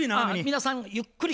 皆さんゆっくり。